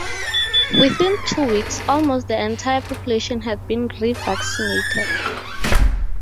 Within two weeks, almost the entire population had been re-vaccinated.